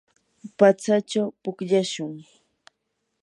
patsachaw pukllashun.